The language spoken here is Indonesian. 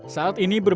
dan pendidikan gimana